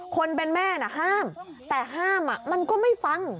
คนเป็นแม่น่ะห้ามแต่ห้ามมันก็ไม่ฟัง